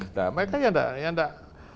nah mereka yang nggak yang nggak